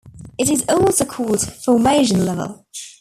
It is also called formation level.